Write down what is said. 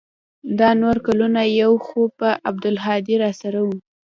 دا نور کلونه يو خو به عبدالهادي راسره و.